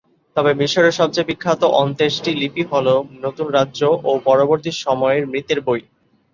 তবে মিশরের সবচেয়ে বিখ্যাত অন্ত্যেষ্টি লিপি হল নতুন রাজ্য ও পরবর্তী সময়ের মৃতের বই।